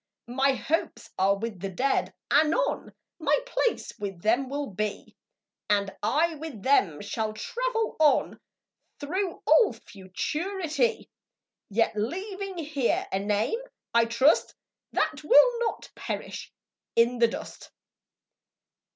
My hopes are with the Dead, anon My place with them will be, And I with them shall travel on Through all Futurity; Yet leaving here a name, I trust, That will not perish in the dust.